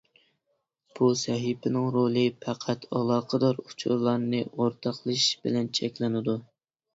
بۇ سەھىپىنىڭ رولى -پەقەت ئالاقىدار ئۇچۇرلارنى ئورتاقلىشىش بىلەن چەكلىنىدۇ.